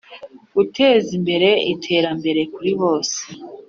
guteza imbere iterambere kuri bose